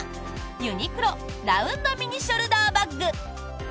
ユニクロラウンドミニショルダーバッグ。